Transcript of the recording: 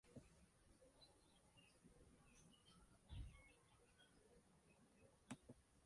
Su iris es marrón oscuro, con manchas doradas.